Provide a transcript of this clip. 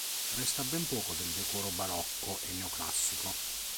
Resta ben poco del decoro barocco e neoclassico.